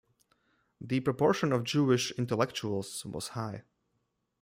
The proportion of Jewish intellectuals was high.